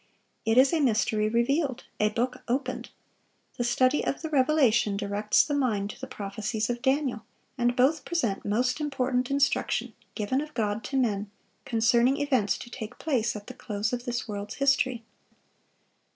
It is a mystery revealed, a book opened. The study of the Revelation directs the mind to the prophecies of Daniel, and both present most important instruction, given of God to men, concerning events to take place at the close of this world's history.